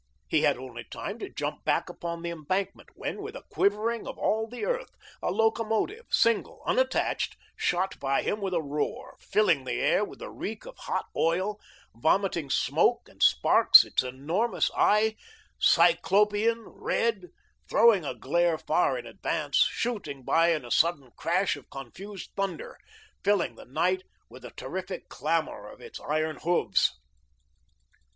He had only time to jump back upon the embankment when, with a quivering of all the earth, a locomotive, single, unattached, shot by him with a roar, filling the air with the reek of hot oil, vomiting smoke and sparks; its enormous eye, cyclopean, red, throwing a glare far in advance, shooting by in a sudden crash of confused thunder; filling the night with the terrific clamour of its iron hoofs.